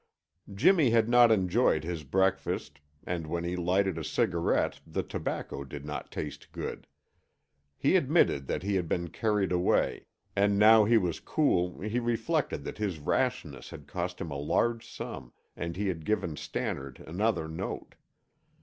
Jimmy had not enjoyed his breakfast, and when he lighted a cigarette the tobacco did not taste good. He admitted that he had been carried away, and now he was cool he reflected that his rashness had cost him a large sum and he had given Stannard another note.